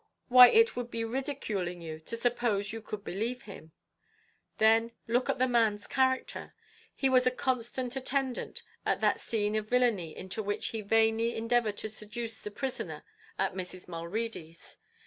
Why it would be ridiculing you to suppose you could believe him. Then look at the man's character. He was a constant attendant at that scene of villany into which he vainly endeavoured to seduce the prisoner at Mrs. Mulready's.